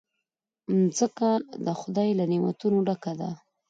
مځکه د خدای له نعمتونو ډکه ده.